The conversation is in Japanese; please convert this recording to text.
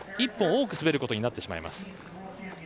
１本多く滑ることになってしまいますね。